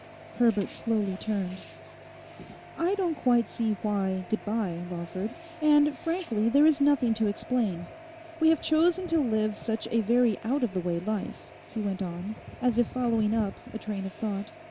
Herbert slowly turned. 'I don't quite see why "goodbye," Lawford. And—frankly, there is nothing to explain. We have chosen to live such a very out of the way life,' he went on, as if following up a train of thought....